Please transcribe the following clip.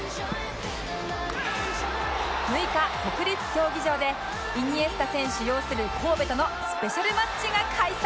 ６日国立競技場でイニエスタ選手擁する神戸とのスペシャルマッチが開催